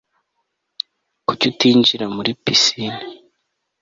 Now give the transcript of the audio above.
kuki utinjira muri pisine